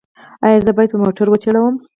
ایا زه باید موټر وچلوم؟